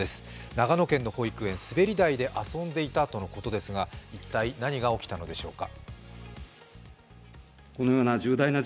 長野県の保育園、滑り台で遊んでいたということですが一体、何が起きたのでしょうか。